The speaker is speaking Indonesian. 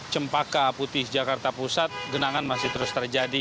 cempaka putih jakarta pusat genangan masih terus terjadi